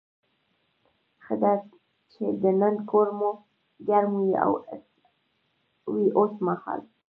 ښه ده چې دننه کور مو ګرم وي اوسمهال.